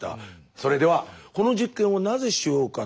それではこの実験をなぜしようかと思ったか。